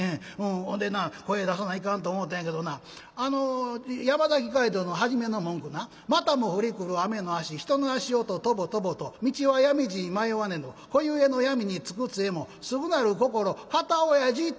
ほんでな声出さないかんと思ったんやけどなあの山崎街道の初めの文句な『またも降りくる雨の足人の足音トボトボと道は闇路に迷わねど子ゆえの闇につく杖もすぐなる心堅親父』と。